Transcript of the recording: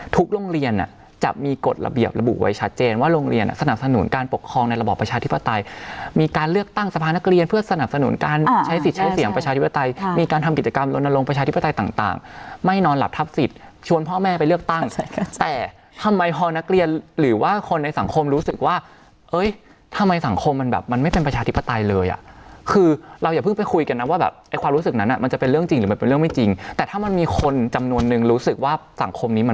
ทุกโรงเรียนจะมีกฎระเบียบระบุไว้ชัดเจนว่าโรงเรียนสนับสนุนการปกครองในระบบประชาธิปไตยมีการเลือกตั้งสะพานักเรียนเพื่อสนับสนุนการใช้สิทธิ์ใช้เสียงประชาธิปไตยมีการทำกิจกรรมลงประชาธิปไตยต่างไม่นอนหลับทับสิทธิ์ชวนพ่อแม่ไปเลือกตั้งแต่ทำไมพอนักเรียนหรือว่าคนในสั